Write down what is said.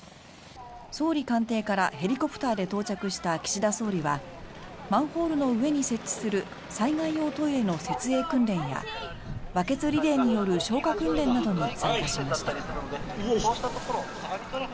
総理官邸からヘリコプターで到着した岸田総理はマンホールの上に設置する災害用トイレの設営訓練やバケツリレーによる消火訓練などに参加しました。